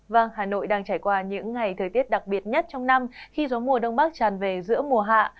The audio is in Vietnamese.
vâng hà nội đang trải qua những ngày thời tiết đặc biệt nhất trong năm khi gió mùa đông bắc tràn về giữa mùa hạ